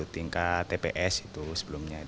tingkat tps itu sebelumnya